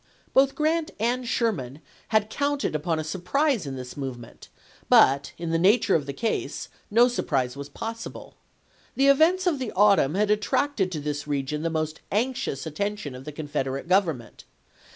Both Grant and Sherman had counted upon a sur prise in this movement, but, in the nature of the case, no surprise was possible. The events of the autumn had attracted to this region the most anxious at tention of the Confederate Government.